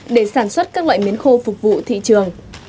để sản xuất các loại miến khô phục vụ thị trường